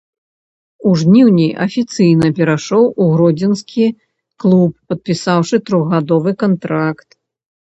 У жніўні афіцыйна перайшоў у гродзенскі клуб, падпісаўшы трохгадовы кантракт.